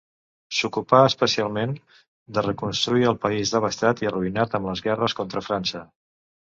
S'ocupà especial de reconstruir el país devastat i arruïnat amb les guerres contra França.